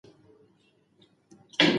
مینه ورکړئ.